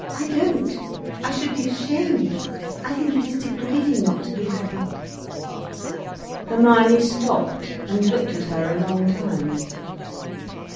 "I don't, I should be ashamed. I think it is degrading not to be happy." Hermione stopped and looked at her a long time.